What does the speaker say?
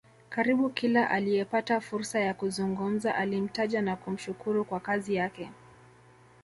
Karibu kila aliyepata fursa ya kuzungumza alimtaja na kumshukuru kwa kazi yake